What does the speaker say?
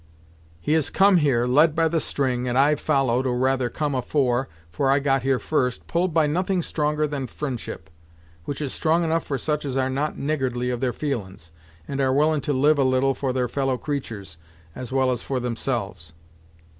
He has come here, led by the string, and I've followed, or rather come afore, for I got here first, pulled by nothing stronger than fri'ndship; which is strong enough for such as are not niggardly of their feelin's, and are willing to live a little for their fellow creatur's, as well as for themselves."